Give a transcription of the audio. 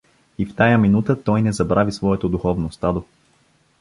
И в тая минута той не забрави своето духовно стадо.